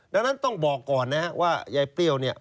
ดังนั้นต้องบอกก่อนนะครับว่ายายเปรี้ยวเนี่ย